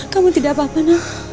kamu tidak apa apa nak